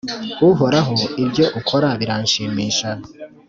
“uhoraho, ibyo ukora biranshimisha,